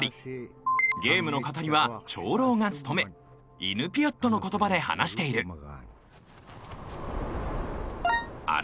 ゲームの語りは長老が務めイヌピアットの言葉で話しているどう？